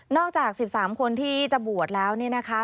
จาก๑๓คนที่จะบวชแล้วเนี่ยนะคะ